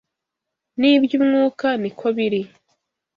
N’iby’umwuka ni ko biri